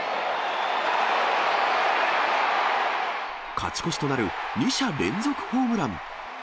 勝ち越しとなる２者連続ホームラン。